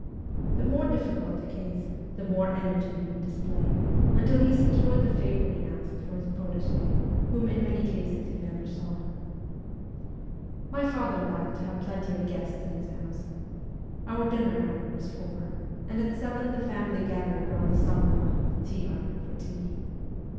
The more difficult the case, the more energy he would display, until he secured the favour he asked for his protege, whom in many cases he never saw. CHILDHOOD 36 My father liked to have plenty of guests in his house. Our dinner hour was four, and at seven the family gathered round the samovar (tea urn) for tea.